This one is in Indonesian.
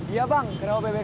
iya bang kerahau bbx sebelas ya